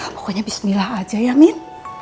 pokoknya bismillah aja ya min